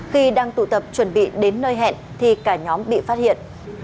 khi đang tụ tập chuẩn bị đến nơi hẹn thì cả nhóm bị phát hiện